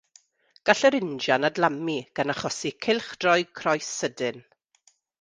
Gall yr injan adlamu, gan achosi cylchdroi croes sydyn.